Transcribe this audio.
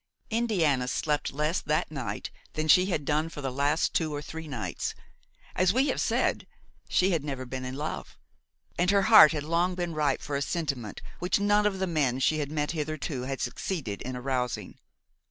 Indiana slept less that night than she had done for the last two or three nights; as we have said, she had never been in love, and her heart had long been ripe for a sentiment which none of the men she had met hitherto had succeeded in arousing.